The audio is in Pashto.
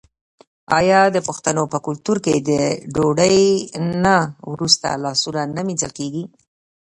آیا د پښتنو په کلتور کې د ډوډۍ نه وروسته لاسونه نه مینځل کیږي؟